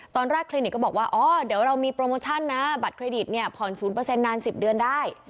ตอนแรกคลินิกก็บอกว่าอ๋อเดี๋ยวเรามีโปรโมชั่นนะบัตรเครดิตเนี่ยผ่อน๐นาน๑๐เดือนได้